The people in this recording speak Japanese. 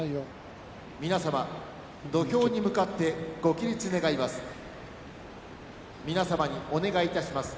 皆様、土俵に向かってご起立願います。